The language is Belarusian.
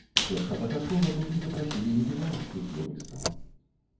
Першапачаткова туды запрасілі і беларускіх юрыстаў.